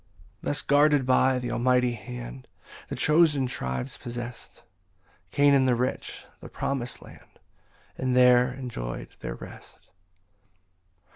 19 Thus guarded by th' Almighty hand The chosen tribes possest Canaan the rich, the promis'd land, And there enjoy'd their rest.